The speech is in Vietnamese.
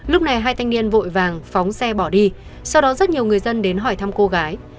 lúc này hai thanh niên vội vàng phóng xe bỏ đi sau đó rất nhiều người dân đến hỏi thăm cô gái